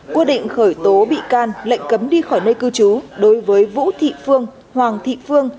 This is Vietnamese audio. quyết định khởi tố bị can lệnh cấm đi khỏi nơi cư trú đối với vũ thị phương hoàng thị phương